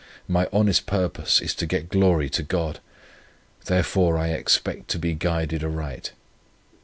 My honest purpose is to get glory to God. Therefore I expect to be guided aright.